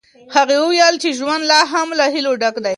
هغې وویل چې ژوند لا هم له هیلو ډک دی.